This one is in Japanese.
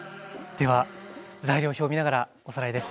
では材料表を見ながらおさらいです。